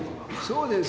そうですよ。